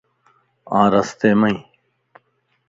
آن رستي مائين